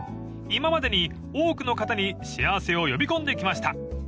［今までに多くの方に幸せを呼び込んできました］